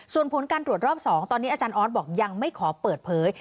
ส่วนผลการตรวจรอบ๒ตอนนี้อาจารย์ออสบอกยังไม่ขอเปิดเผย